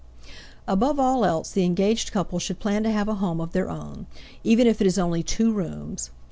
Above all else, the engaged couple should plan to have a home of their own, even if it is only two rooms.